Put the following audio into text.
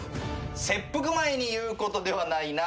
「切腹前に言うことではないな。